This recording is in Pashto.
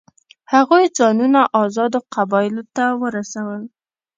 هغوی ځانونه آزادو قبایلو ته ورسول.